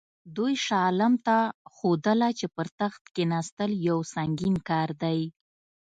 دوی شاه عالم ته ښودله چې پر تخت کښېنستل یو سنګین کار دی.